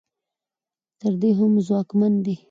تر دې هم ځواکمن دي.